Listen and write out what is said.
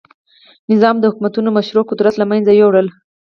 نظم او د حکومتونو مشروع قدرت له منځه یووړل.